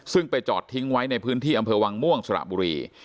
ซึ่งไปจอดทิ้งไว้ในพื้นที่อำเภอวังม่วงสระบุรี